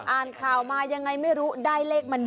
อ่านข่าวมายังไงไม่รู้ได้เลขมา๑